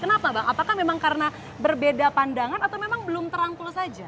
kenapa bang apakah memang karena berbeda pandangan atau memang belum terangkul saja